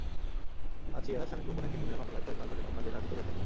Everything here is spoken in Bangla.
আছিয়ার স্বামী কুপন একটি খুনের মামলায় কয়েক মাস ধরে পাবনা জেলহাজতে রয়েছেন।